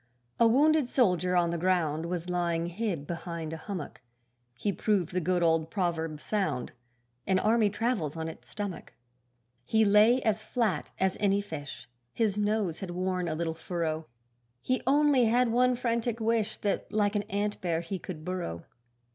A wounded soldier on the ground Was lying hid behind a hummock; He proved the good old proverb sound An army travels on its stomach. He lay as flat as any fish, His nose had worn a little furrow; He only had one frantic wish, That like an antbear he could burrow.